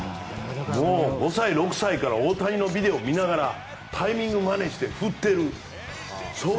もう５歳、６歳から大谷のビデオを見ながらタイミングをまねして振ってる。